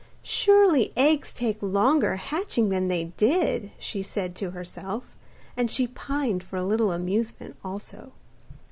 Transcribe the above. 'Surely eggs take longer hatching than they did,' she said to herself; and she pined for a little amusement also.